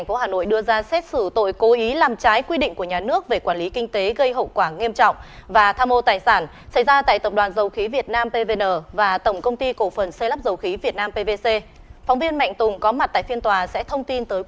phóng viên mạnh tùng có mặt tại phiên tòa sẽ thông tin tới quý vị và các bạn